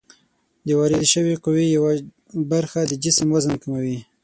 د واردې شوې قوې یوه برخه د جسم وزن کموي.